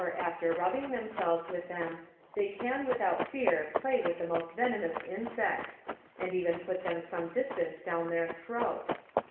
after rubbing themselves with them, they can without fear play with the most venomous insects, and even put them some distance down their throat.